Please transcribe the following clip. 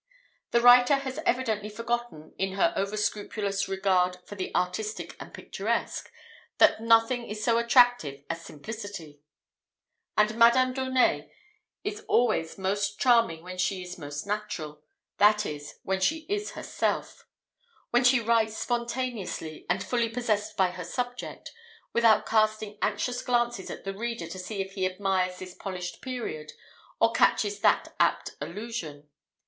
The writer has evidently forgotten, in her over scrupulous regard for the artistic and picturesque, that nothing is so attractive as simplicity. And Madame d'Aunet is always most charming when she is most natural that is, when she is herself; when she writes spontaneously, and fully possessed by her subject, without casting anxious glances at the reader to see if he admires this polished period or catches that apt allusion.